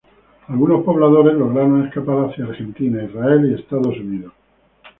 Algunos pobladores lograron escapar hacia Argentina, Israel, y Estados Unidos.